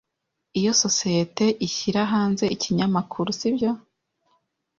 Iyo sosiyete ishyira hanze ikinyamakuru, sibyo?